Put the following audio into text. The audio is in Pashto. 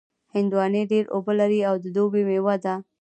هندوانې ډېر اوبه لري او د دوبي مېوه ده.